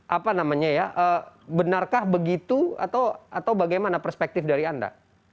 apa namanya ya benarkah begitu atau bagaimana perspektif dari anda